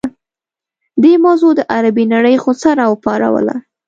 دې موضوع د عربي نړۍ غوسه راوپاروله.